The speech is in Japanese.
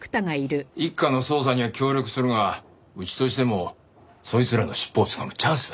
一課の捜査には協力するがうちとしてもそいつらの尻尾をつかむチャンスだ。